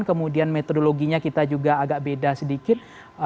kemudian metodologinya kita juga agak beda sedikit